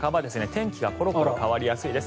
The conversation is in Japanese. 天気がコロコロ変わりやすいです。